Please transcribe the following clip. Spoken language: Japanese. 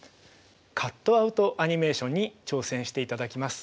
カットアウトアニメーションに挑戦していただきます。